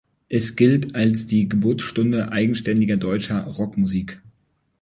Es gilt als die Geburtsstunde eigenständiger deutscher Rockmusik.